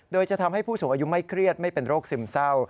โดยจะทำให้ผู้สูงอายุไม่เครียดไม่เป็นโรคซึมเศร้า